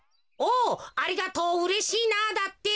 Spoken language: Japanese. お「ありがとう。うれしいな」だって。